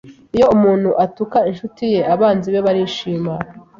iyo umuntu atuka inshuti ye abanzi be barishima